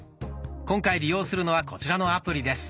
今回利用するのはこちらのアプリです。